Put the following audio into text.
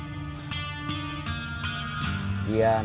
bukan saya pecat